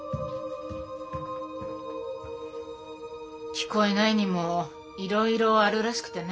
聞こえないにもいろいろあるらしくてね。